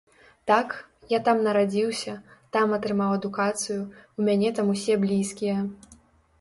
Так, я там нарадзіўся, там атрымаў адукацыю, у мяне там усе блізкія.